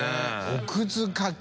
おくずかけ」